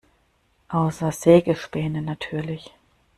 Außer Sägespäne natürlich.